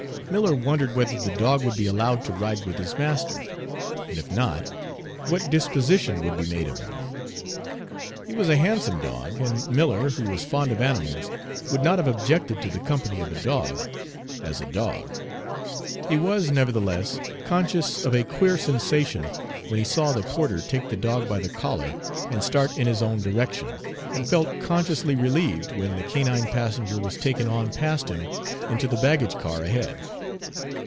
Miller wondered whether the dog would be allowed to ride with his master, and if not, what disposition would be made of him. He was a handsome dog, and Miller, who was fond of animals, would not have objected to the company of a dog, as a dog. He was nevertheless conscious of a queer sensation when he saw the porter take the dog by the collar and start in his own direction, and felt consciously relieved when the canine passenger was taken on past him into the baggage car ahead.